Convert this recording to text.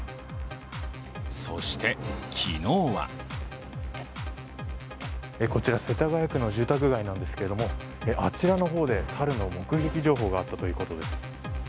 そして、昨日はこちら世田谷区の住宅街なんですけれどもあちらの方で猿の目撃情報があったということです。